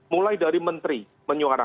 mulai dari menteri menyuarakan